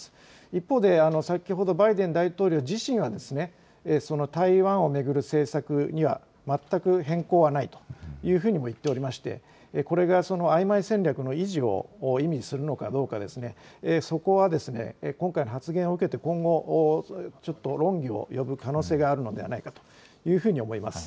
一方で、先ほどバイデン大統領自身は、台湾を巡る政策には全く変更はないというふうにも言っておりまして、これがあいまい戦略の維持を意味するのかどうか、そこは今回の発言を受けて今後、ちょっと論議を呼ぶ可能性があるのではないかというふうに思いま